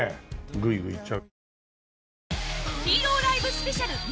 グイグイいっちゃう。